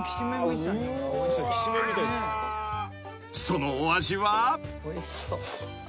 ［そのお味は］